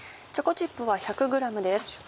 チョコチップは１００ｇです。